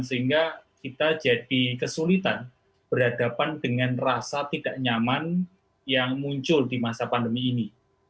sehingga kita jadi kesulitan berhadapan dengan rasa tidak nyaman yang muncul di masa pandemi ini